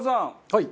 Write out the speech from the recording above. はい。